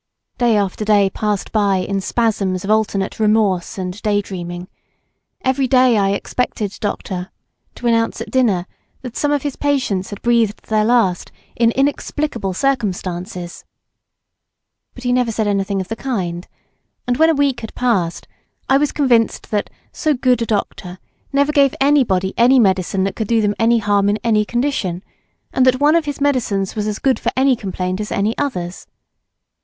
Day after day passed by in spasms of alternate remorse and day dreaming; every day I expected Dr. —— to announce at dinner that some of his patients had breathed their last in inexplicable circumstances, but he never said anything of the kind, and when a week had passed, I was convinced that so good a doctor never gave anybody any medicine that could do them any harm in any condition, and that one of his medicines was as good for any complaint as any others.